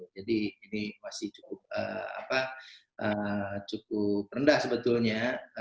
jadi ini masih cukup rendah sebetulnya